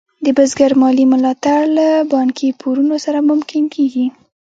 د بزګر مالي ملاتړ له بانکي پورونو سره ممکن کېږي.